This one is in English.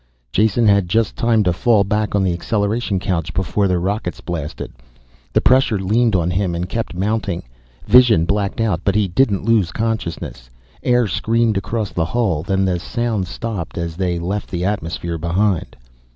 Jason had just time to fall back on the acceleration couch before the rockets blasted. The pressure leaned on him and kept mounting. Vision blacked out but he didn't lose consciousness. Air screamed across the hull, then the sound stopped as they left the atmosphere behind.